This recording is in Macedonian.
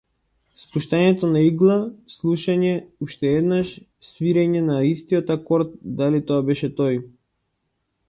Спуштање на игла, слушање уште еднаш, свирење на истиот акорд, дали тоа беше тој?